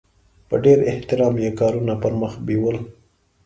په ډېر احترام یې کارونه پرمخ بیول.